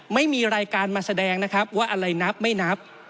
ไม่มีรายการมาแสดงนะครับว่าอะไรนับไม่นับ